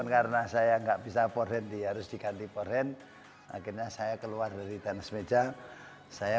karena saya gak bisa bit diarus dikati warder akhirnya saya keluar dari tenis meja saya